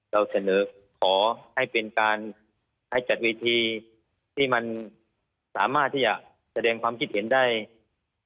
เราเสนอขอให้เป็นการให้จัดวิธีที่มันสามารถที่อยากแสดงความคิดเห็นคนละ๕นาที